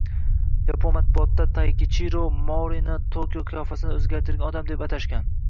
Yapon matbuotida Taykichiro Morini Tokio qiyofasini o‘zgartirgan odam deb atashgan